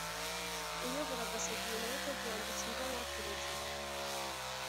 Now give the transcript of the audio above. uyobora gasogi united yandikiye ibaruwa perezida